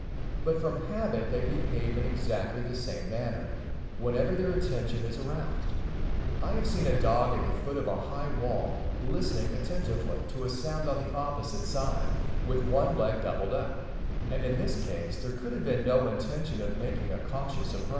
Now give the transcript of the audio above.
But from habit they behave in exactly the same manner whenever their attention is aroused (fig. 4). I have seen a dog at the foot of a high wall, listening attentively to a sound on the opposite side, with one leg doubled up; and in this case there could have been no intention of making a cautious approach.